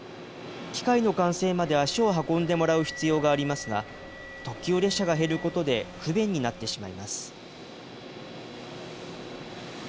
機械の完成まで足を運んでもらう必要がありますが、特急列車が減ることで不便になってしまいます。